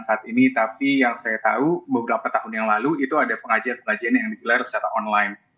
saat ini tapi yang saya tahu beberapa tahun yang lalu itu ada pengajian pengajian yang digelar secara online